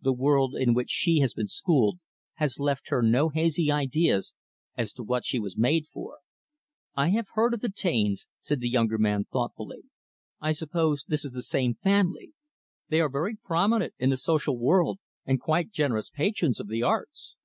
The world in which she has been schooled has left her no hazy ideas as to what she was made for." "I have heard of the Taines," said the younger man, thoughtfully. "I suppose this is the same family. They are very prominent in the social world, and quite generous patrons of the arts?"